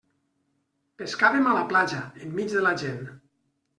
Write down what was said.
Pescàvem a la platja, enmig de la gent.